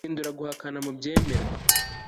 ihindura guhakana mubyemerwa